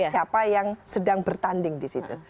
siapa yang sedang bertanding di situ